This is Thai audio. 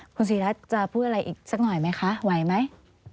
คุณศรีรัตน์จะพูดอะไรอีกสักหน่อยไหมคะไหวไหม